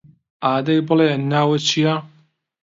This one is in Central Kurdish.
ئادەی بڵێ ناوت چییە؟